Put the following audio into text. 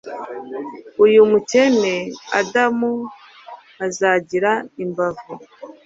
Uyu mukene Adamu azagira imbavu